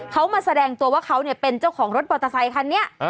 เขามาแสดงตัวว่าเขาเป็นเจ้าของรถมอเตอร์ไซคันนี้